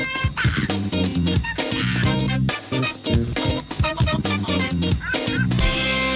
เสื้อหลายสีหลายสีนะ